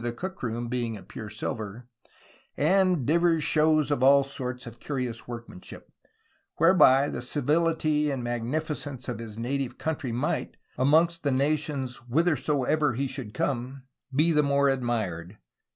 the Cooke room being of pure silver) and divers shewes of all sorts of curious workmanship, whereby the civilitie and magnificense of his native countrie might, amongst the nations whithersoever he should come, be the more admired."